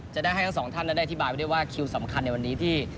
จะได้ให้ทั้งสองท่านและได้อธิบายว่าคิวสำคัญในวันนี้